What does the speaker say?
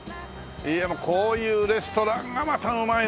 こういうレストランがまたうまいのよ。